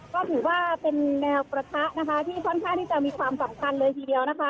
ก็ถือว่าเป็นแนวประทะนะคะที่ค่อนข้างที่จะมีความสำคัญเลยทีเดียวนะคะ